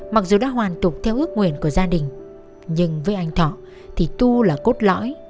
mặc dù đã hoàn tục theo ước nguyện của gia đình nhưng với anh thọ thì tu là cốt lõi